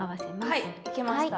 はいいけました。